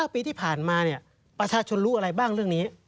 ปีที่ผ่านมาประชาชนรู้อะไรบ้างเรื่องนี้